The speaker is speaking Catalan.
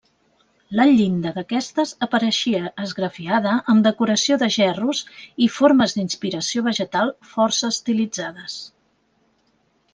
La llinda d'aquestes apareixia esgrafiada amb decoració de gerros i formes d'inspiració vegetal força estilitzades.